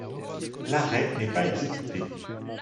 L'arrêt n'est pas exécuté.